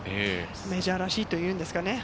メジャーらしいと言うんですかね？